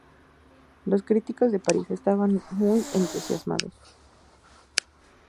Los críticos de París estaban muy entusiasmados.